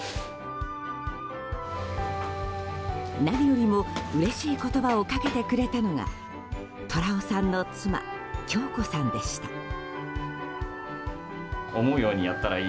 何よりもうれしい言葉をかけてくれたのが虎雄さんの妻・京子さんでした。